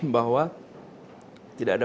bahwa tidak ada